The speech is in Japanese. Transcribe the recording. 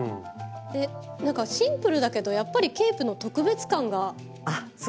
なんかシンプルだけどやっぱりケープの特別感がいいですね。